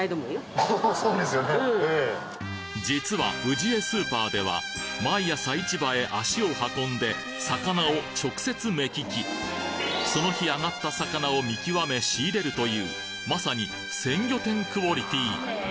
実はウジエスーパーでは毎朝市場へ足を運んで魚を直接目利きその日あがった魚を見極め仕入れるというまさに鮮魚店クオリティー